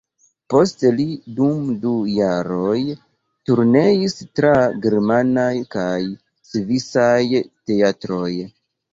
Poste li dum du jaroj turneis tra germanaj kaj svisaj teatroj.